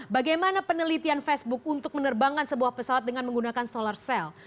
bagaimana penelitian facebook untuk menerbangkan sebuah pesawat dengan menggunakan solar cell